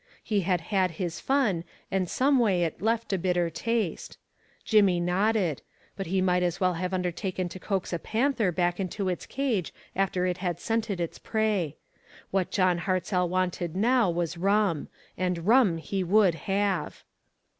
He had had his fun, and someway it left a bitter taste. Jimmie nodded ; but he might as well have undertaken to coax a panther back into its cage after it had scented its prey. What John Hartzell wanted now was rum; and rum he would have.